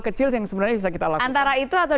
kecil yang sebenarnya bisa kita lakukan itu atau